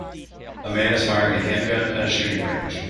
A man is firing a handgun at a shooting range.